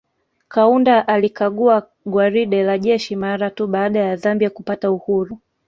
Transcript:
Kaunda alikagua gwaride la jeshi mara tu baada ya Zambia kupata uhuru